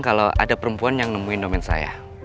kalau ada perempuan yang nemuin domen saya